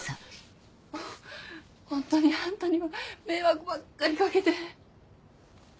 ホントにあんたには迷惑ばっかりかけて。